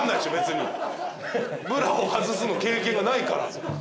ブラを外すの経験がないから。